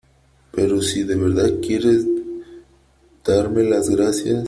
pero si de verdad quieres darme las gracias ,